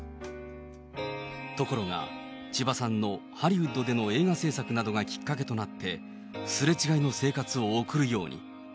ところが千葉さんのハリウッドでの映画製作などがきっかけとなってすれ違いの生活を送るように。